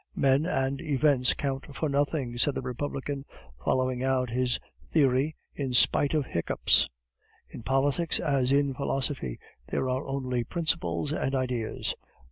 "Men and events count for nothing," said the Republican, following out his theory in spite of hiccoughs; "in politics, as in philosophy, there are only principles and ideas."